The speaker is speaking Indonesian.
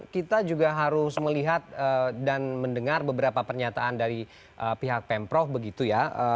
kita juga harus melihat dan mendengar beberapa pernyataan dari pihak pemprov begitu ya